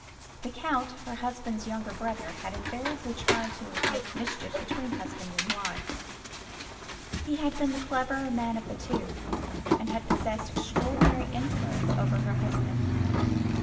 The Count, her husband's younger brother, had invariably tried to make mischief between husband and wife. He had been the cleverer man of the two, and had possessed extraordinary influence over her husband.